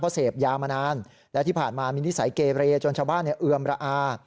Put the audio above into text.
เพราะเสพยามานานและที่ผ่านมามีนิสัยเกเรจนชาวบ้านเอือมระอา